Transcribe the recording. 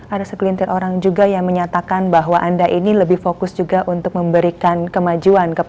ada sekelintir orang juga yang menyatakan bahwa anda ini lebih fokus juga untuk memberikan kemajuan